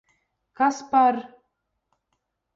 Kas par...